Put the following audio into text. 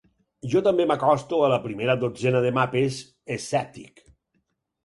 Jo també m'acosto a la primera dotzena de mapes, escèptic.